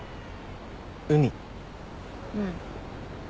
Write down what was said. うん。